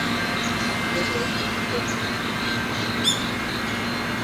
Ugonjwa huu hutokea maeneo mengi ya nchi